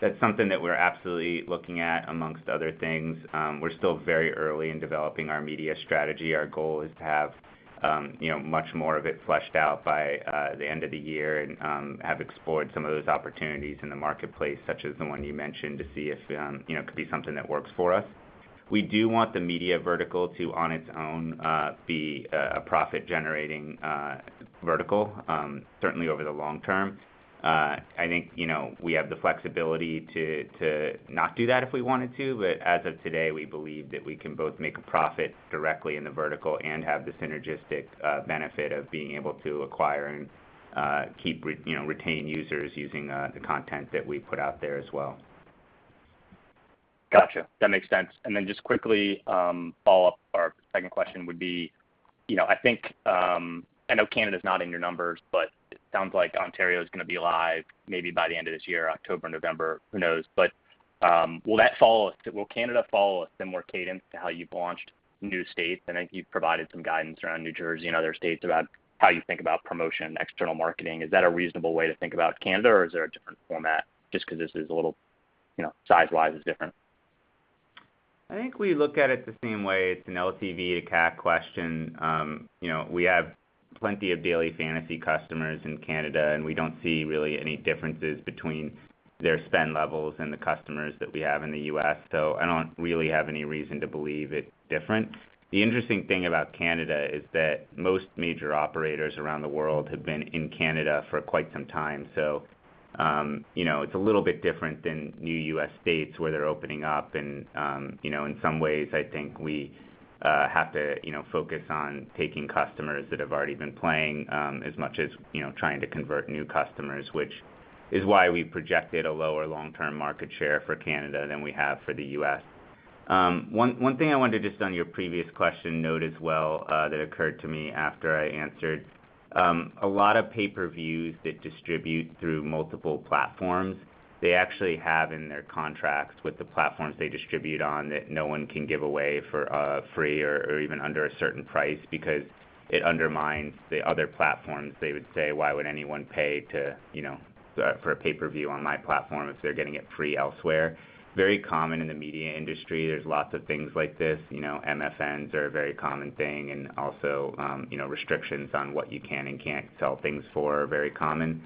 That's something that we're absolutely looking at, amongst other things. We're still very early in developing our media strategy. Our goal is to have much more of it fleshed out by the end of the year and have explored some of those opportunities in the marketplace, such as the one you mentioned, to see if it could be something that works for us. We do want the media vertical to, on its own, be a profit-generating vertical, certainly over the long term. I think we have the flexibility to not do that if we wanted to, but as of today, we believe that we can both make a profit directly in the vertical and have the synergistic benefit of being able to acquire and retain users using the content that we put out there as well. Got you. That makes sense. Just quickly, follow-up or second question would be, I know Canada's not in your numbers, but it sounds like Ontario is going to be live maybe by the end of this year, October, November, who knows? Will Canada follow a similar cadence to how you've launched new states. I think you've provided some guidance around New Jersey and other states about how you think about promotion and external marketing. Is that a reasonable way to think about Canada, or is there a different format just because size-wise it's different? I think we look at it the same way. It's an LTV to CAC question. We have plenty of daily fantasy customers in Canada, and we don't see really any differences between their spend levels and the customers that we have in the U.S. I don't really have any reason to believe it's different. The interesting thing about Canada is that most major operators around the world have been in Canada for quite some time. It's a little bit different than new U.S. states where they're opening up and in some ways, I think we have to focus on taking customers that have already been playing as much as trying to convert new customers, which is why we projected a lower long-term market share for Canada than we have for the U.S. One thing I wanted to, just on your previous question, note as well that occurred to me after I answered. A lot of pay-per-views that distribute through multiple platforms, they actually have in their contracts with the platforms they distribute on that no one can give away for free or even under a certain price because it undermines the other platforms. They would say, "Why would anyone pay for pay-per-view on my platform if they're getting it free elsewhere?" Very common in the media industry. There's lots of things like this. MFNs are a very common thing, also restrictions on what you can and can't sell things for are very common.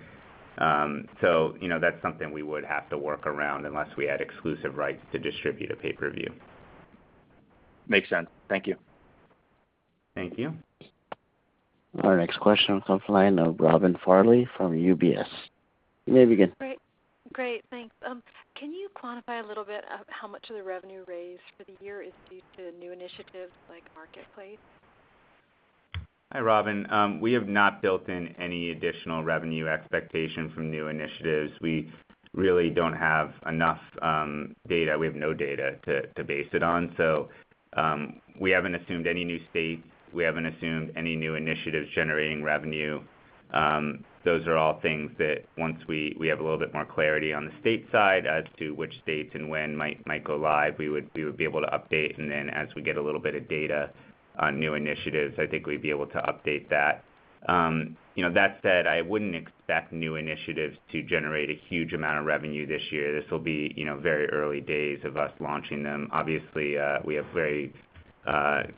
That's something we would have to work around unless we had exclusive rights to distribute a pay-per-view. Makes sense. Thank you. Thank you. Our next question comes from the line of Robin Farley from UBS. You may begin. Great. Thanks. Can you quantify a little bit how much of the revenue raised for the year is due to new initiatives like Marketplace? Hi, Robin. We have not built in any additional revenue expectation from new initiatives. We really don't have enough data. We have no data to base it on. We haven't assumed any new states. We haven't assumed any new initiatives generating revenue. Those are all things that once we have a little bit more clarity on the state side as to which states and when might go live, we would be able to update, and then as we get a little bit of data on new initiatives, I think we'd be able to update that. That said, I wouldn't expect new initiatives to generate a huge amount of revenue this year. This will be very early days of us launching them. Obviously, we have very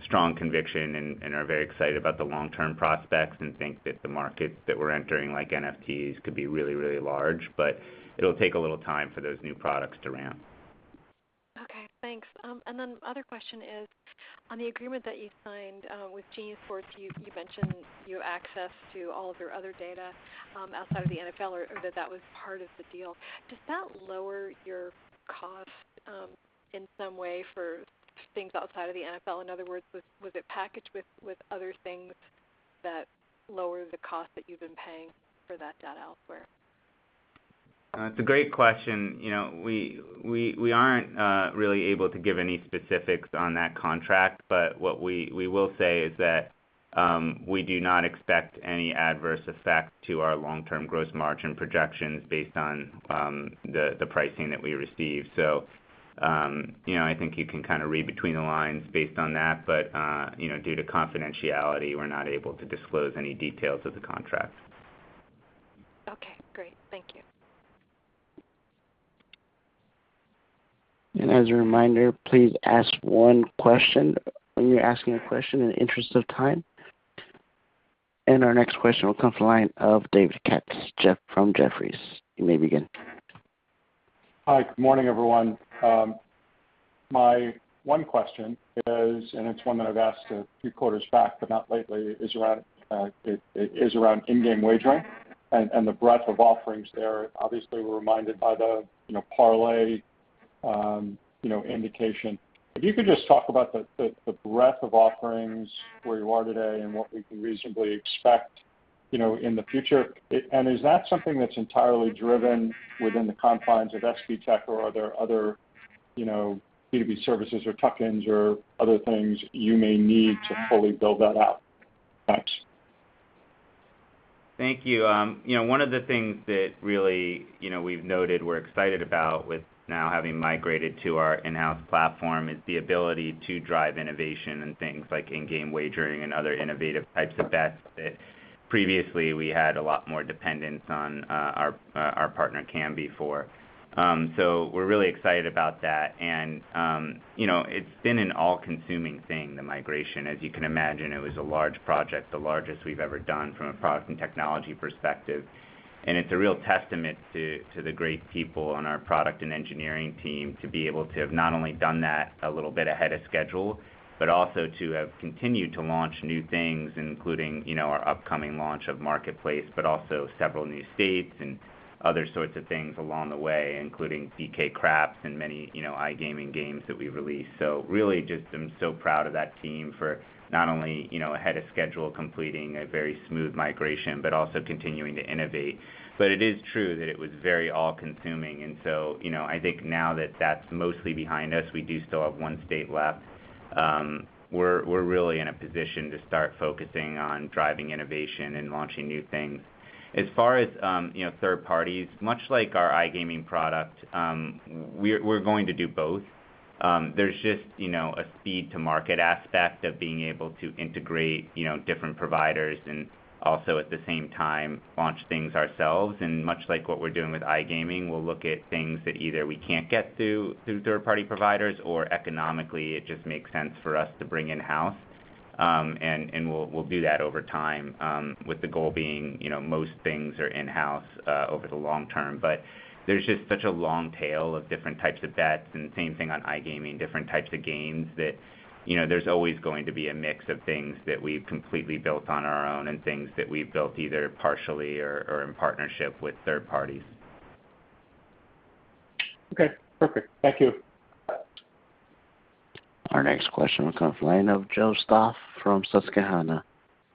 strong conviction and are very excited about the long-term prospects and think that the markets that we're entering, like NFTs, could be really large. It'll take a little time for those new products to ramp. Okay, thanks. Then the other question is, on the agreement that you signed with Genius Sports, you mentioned you have access to all of your other data outside of the NFL, or that that was part of the deal. Does that lower your cost in some way for things outside of the NFL? In other words, was it packaged with other things that lower the cost that you've been paying for that data elsewhere? It's a great question. We aren't really able to give any specifics on that contract, but what we will say is that we do not expect any adverse effects to our long-term gross margin projections based on the pricing that we receive. I think you can kind of read between the lines based on that. Due to confidentiality, we're not able to disclose any details of the contract. Okay, great. Thank you. As a reminder, please ask one question when you're asking a question in the interest of time. Our next question will come from the line of David Katz from Jefferies. You may begin. Hi. Good morning, everyone. My one question is, and it's one that I've asked a few quarters back, but not lately, is around in-game wagering and the breadth of offerings there. Obviously, we're reminded by the parlay indication. If you could just talk about the breadth of offerings, where you are today and what we can reasonably expect in the future. Is that something that's entirely driven within the confines of SBTech, or are there other B2B services or tuck-ins or other things you may need to fully build that out? Thanks. Thank you. One of the things that really we've noted we're excited about with now having migrated to our in-house platform is the ability to drive innovation and things like in-game wagering and other innovative types of bets that previously we had a lot more dependence on our partner SBTech for. We're really excited about that. It's been an all-consuming thing, the migration. As you can imagine, it was a large project, the largest we've ever done from a product and technology perspective. It's a real testament to the great people on our product and engineering team to be able to have not only done that a little bit ahead of schedule, but also to have continued to launch new things, including our upcoming launch of Marketplace, but also several new states and other sorts of things along the way, including DK Craps and many iGaming games that we've released. Really just am so proud of that team for not only ahead of schedule, completing a very smooth migration, but also continuing to innovate. It is true that it was very all-consuming, I think now that that's mostly behind us, we do still have one state left. We're really in a position to start focusing on driving innovation and launching new things. As far as third parties, much like our iGaming product, we're going to do both. There's just a speed to market aspect of being able to integrate different providers and also at the same time launch things ourselves. Much like what we're doing with iGaming, we'll look at things that either we can't get through third-party providers or economically it just makes sense for us to bring in-house. We'll do that over time, with the goal being most things are in-house over the long term. There's just such a long tail of different types of bets, and same thing on iGaming, different types of games that there's always going to be a mix of things that we've completely built on our own and things that we've built either partially or in partnership with third parties. Okay, perfect. Thank you. Our next question will come from the line of Joseph Stauff from Susquehanna.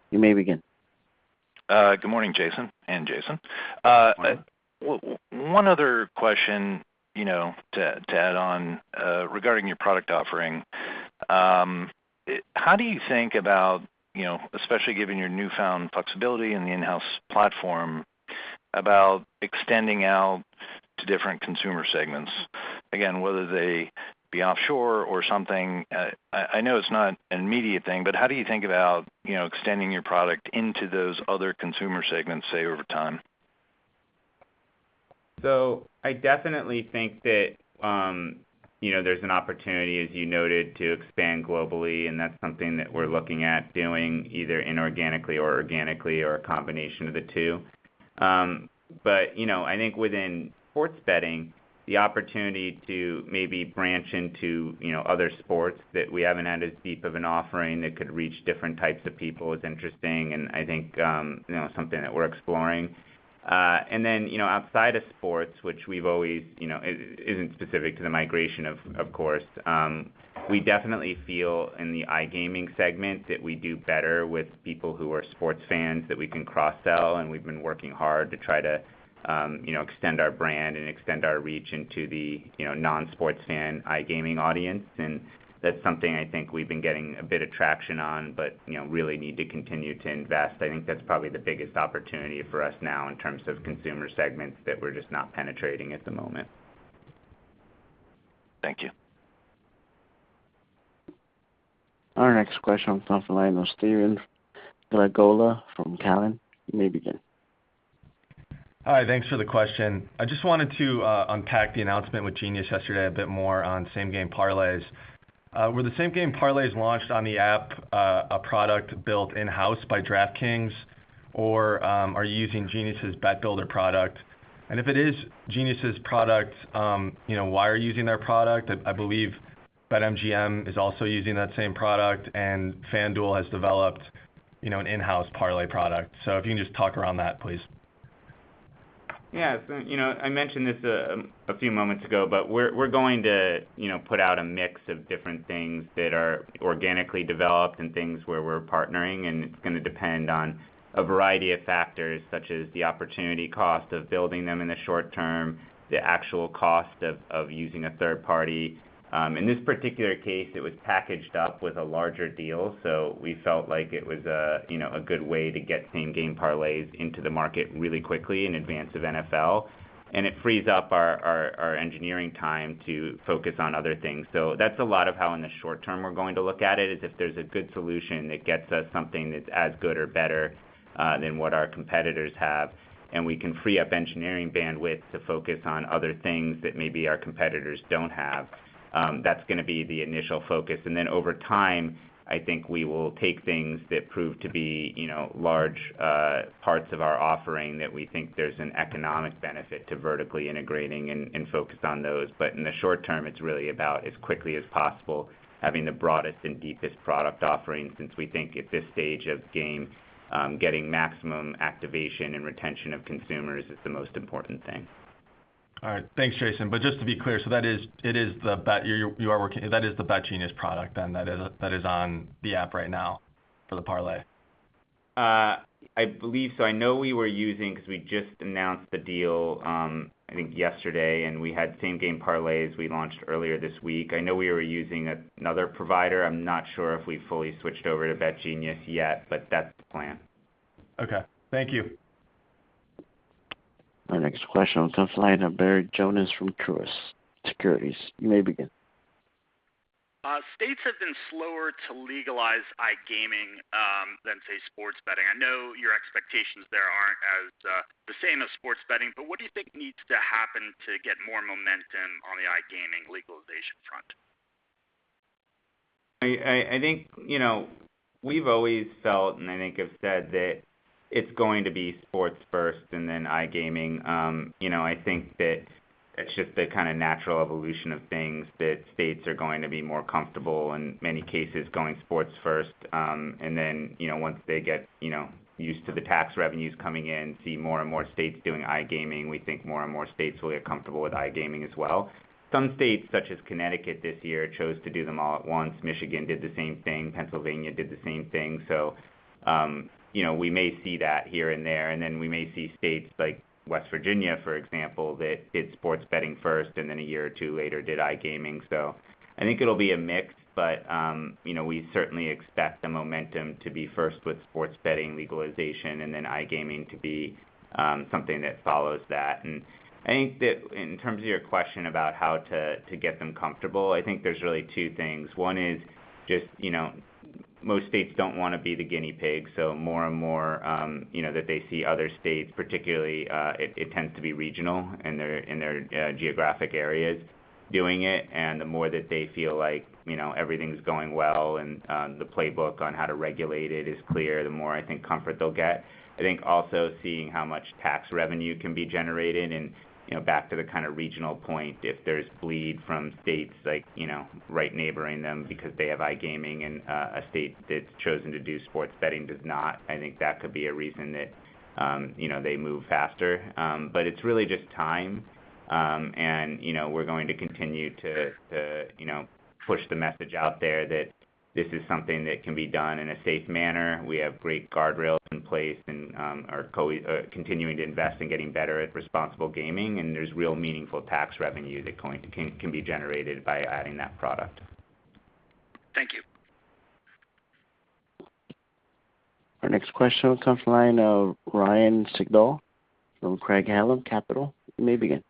You may begin. Good morning, Jason and Jason. Good morning. One other question to add on, regarding your product offering. How do you think about, especially given your newfound flexibility in the in-house platform, about extending out to different consumer segments? Again, whether they be offshore or something. I know it's not an immediate thing, but how do you think about extending your product into those other consumer segments, say, over time? I definitely think that there's an opportunity, as you noted, to expand globally, and that's something that we're looking at doing either inorganically or organically or a combination of the two. I think within sports betting, the opportunity to maybe branch into other sports that we haven't had as deep of an offering that could reach different types of people is interesting, and I think something that we're exploring. Then, outside of sports, which isn't specific to the migration, of course, we definitely feel in the iGaming segment that we do better with people who are sports fans that we can cross-sell. We've been working hard to try to extend our brand and extend our reach into the non-sports fan iGaming audience. That's something I think we've been getting a bit of traction on, but really need to continue to invest. I think that's probably the biggest opportunity for us now in terms of consumer segments that we're just not penetrating at the moment. Thank you. Our next question comes from the line of Stephen Glagola from Cowen. You may begin. Hi, thanks for the question. I just wanted to unpack the announcement with Genius yesterday a bit more on Same Game Parlays. Were the Same Game Parlays launched on the app a product built in-house by DraftKings, or are you using Genius' bet builder product? If it is Genius's product, why are you using their product? I believe BetMGM is also using that same product, FanDuel has developed an in-house parlay product. If you can just talk around that, please. Yeah. I mentioned this a few moments ago, but we're going to put out a mix of different things that are organically developed and things where we're partnering, and it's going to depend on a variety of factors, such as the opportunity cost of building them in the short term, the actual cost of using a third party. In this particular case, it was packaged up with a larger deal, so we felt like it was a good way to get Same Game Parlays into the market really quickly in advance of NFL. It frees up our engineering time to focus on other things. That's a lot of how in the short term we're going to look at it, is if there's a good solution that gets us something that's as good or better than what our competitors have, and we can free up engineering bandwidth to focus on other things that maybe our competitors don't have. That's going to be the initial focus. Then over time, I think we will take things that prove to be large parts of our offering that we think there's an economic benefit to vertically integrating and focus on those. In the short term, it's really about as quickly as possible, having the broadest and deepest product offering, since we think at this stage of the game, getting maximum activation and retention of consumers is the most important thing. All right. Thanks, Jason. Just to be clear, that is the Betgenius product then that is on the app right now for the parlay? I believe so. I know we were using, because we just announced the deal, I think yesterday, and we had Same Game Parlays we launched earlier this week. I know we were using another provider. I'm not sure if we've fully switched over to Betgenius yet, but that's the plan. Okay. Thank you. Our next question comes from the line of Barry Jonas from Truist Securities. You may begin. States have been slower to legalize iGaming than, say, sports betting. What do you think needs to happen to get more momentum on the iGaming legalization front? I think we've always felt, and I think have said that it's going to be sports first and then iGaming. I think that it's just the kind of natural evolution of things that states are going to be more comfortable, in many cases, going sports first. Once they get used to the tax revenues coming in, see more and more states doing iGaming. We think more and more states will get comfortable with iGaming as well. Some states, such as Connecticut this year, chose to do them all at once. Michigan did the same thing. Pennsylvania did the same thing. We may see that here and there, and then we may see states like West Virginia, for example, that did sports betting first and then a year or two later did iGaming. I think it'll be a mix, but we certainly expect the momentum to be first with sports betting legalization and then iGaming to be something that follows that. I think that in terms of your question about how to get them comfortable, I think there's really two things. One is Most states don't want to be the guinea pig, so more and more, that they see other states, particularly, it tends to be regional in their geographic areas doing it. The more that they feel like everything's going well and the playbook on how to regulate it is clear, the more, I think, comfort they'll get. I think also seeing how much tax revenue can be generated and, back to the regional point, if there's bleed from states right neighboring them because they have iGaming and a state that's chosen to do sports betting does not, I think that could be a reason that they move faster. It's really just time. We're going to continue to push the message out there that this is something that can be done in a safe manner. We have great guardrails in place and are continuing to invest in getting better at responsible gaming, and there's real meaningful tax revenue that can be generated by adding that product. Thank you. Our next question comes from the line of Ryan Sigdahl from Craig-Hallum Capital. You may begin.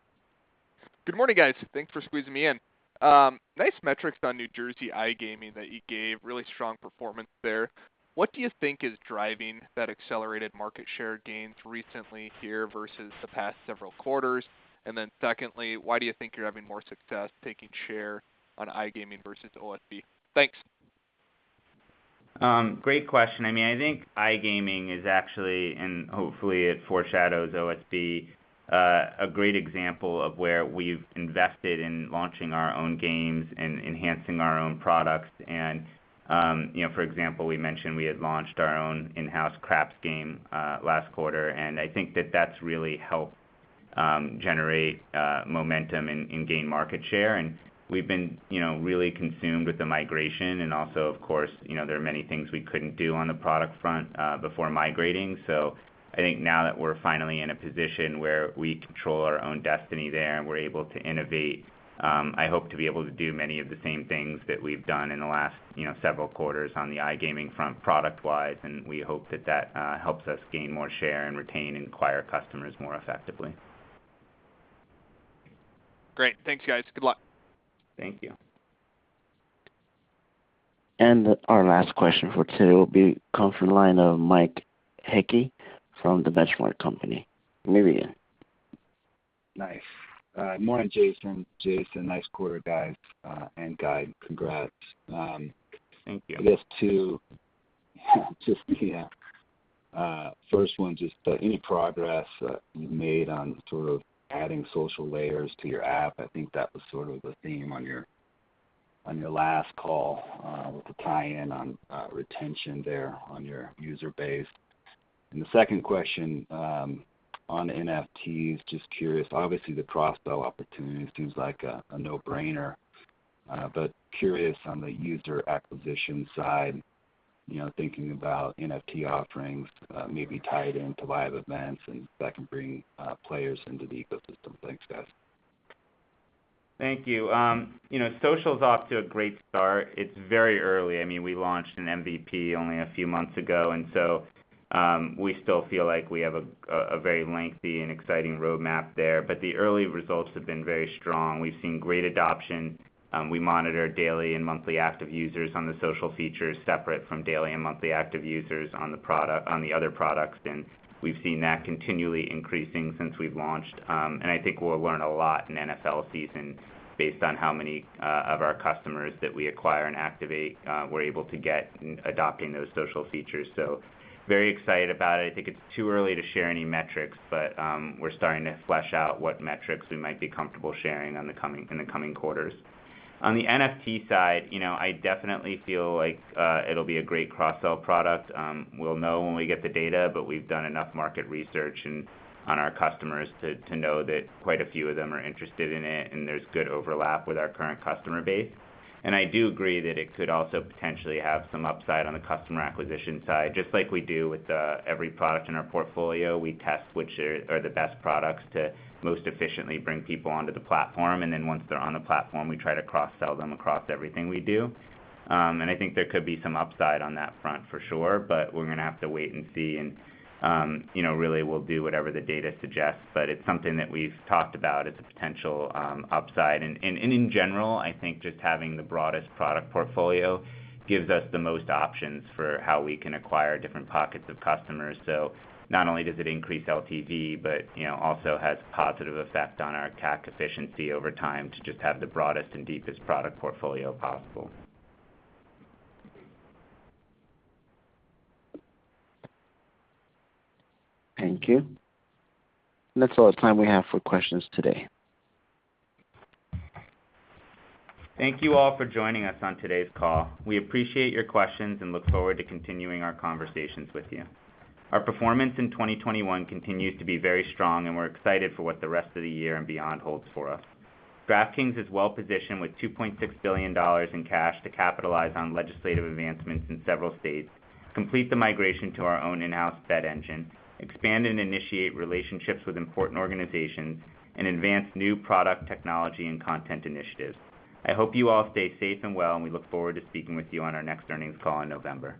Good morning, guys. Thanks for squeezing me in. Nice metrics on New Jersey iGaming that you gave. Really strong performance there. What do you think is driving that accelerated market share gains recently here versus the past several quarters? Secondly, why do you think you're having more success taking share on iGaming versus OSB? Thanks. Great question. I think iGaming is actually, and hopefully it foreshadows OSB, a great example of where we've invested in launching our own games and enhancing our own products. For example, we mentioned we had launched our own in-house DK Craps last quarter, and I think that that's really helped generate momentum in gain market share. We've been really consumed with the migration and also, of course, there are many things we couldn't do on the product front before migrating. I think now that we're finally in a position where we control our own destiny there and we're able to innovate, I hope to be able to do many of the same things that we've done in the last several quarters on the iGaming front product-wise, and we hope that that helps us gain more share and retain and acquire customers more effectively. Great. Thanks, guys. Good luck. Thank you. Our last question for today will come from the line of Mike Hickey from The Benchmark Company. You may begin. Nice. Morning, Jason. Jason, nice quarter, guys, and guide. Congrats. Thank you. I guess two. First one, just any progress you made on sort of adding social layers to your app? I think that was sort of the theme on your last call with the tie-in on retention there on your user base. The second question on NFTs, just curious. Obviously, the cross-sell opportunity seems like a no-brainer. Curious on the user acquisition side, thinking about NFT offerings maybe tied into live events and if that can bring players into the ecosystem. Thanks, guys. Thank you. Social is off to a great start. It's very early. We launched an MVP only a few months ago, we still feel like we have a very lengthy and exciting roadmap there. The early results have been very strong. We've seen great adoption. We monitor daily and monthly active users on the Social features separate from daily and monthly active users on the other products. We've seen that continually increasing since we've launched. I think we'll learn a lot in NFL season based on how many of our customers that we acquire and activate we're able to get adopting those Social features. Very excited about it. I think it's too early to share any metrics, but we're starting to flesh out what metrics we might be comfortable sharing in the coming quarters. On the NFT side, I definitely feel like it'll be a great cross-sell product. We'll know when we get the data, but we've done enough market research on our customers to know that quite a few of them are interested in it, and there's good overlap with our current customer base. I do agree that it could also potentially have some upside on the customer acquisition side. Just like we do with every product in our portfolio, we test which are the best products to most efficiently bring people onto the platform. Then once they're on the platform, we try to cross-sell them across everything we do. I think there could be some upside on that front for sure, but we're going to have to wait and see, and really, we'll do whatever the data suggests. It's something that we've talked about as a potential upside. In general, I think just having the broadest product portfolio gives us the most options for how we can acquire different pockets of customers. Not only does it increase LTV, but also has a positive effect on our CAC efficiency over time to just have the broadest and deepest product portfolio possible. Thank you. That's all the time we have for questions today. Thank you all for joining us on today's call. We appreciate your questions and look forward to continuing our conversations with you. Our performance in 2021 continues to be very strong, and we're excited for what the rest of the year and beyond holds for us. DraftKings is well-positioned with $2.6 billion in cash to capitalize on legislative advancements in several states, complete the migration to our own in-house bet engine, expand and initiate relationships with important organizations, and advance new product technology and content initiatives. I hope you all stay safe and well, and we look forward to speaking with you on our next earnings call in November.